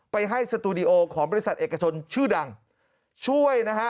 ไปให้สตูดิโอของบริษัทเอกชนชื่อดังช่วยนะฮะ